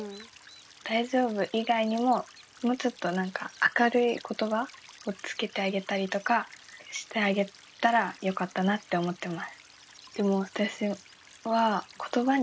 「大丈夫」以外にももうちょっとなんか明るい言葉をつけてあげたりとかしてあげたらよかったなって思ってます。